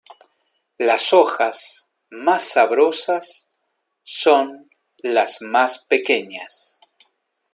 Las hojas más sabrosas son las más pequeñas.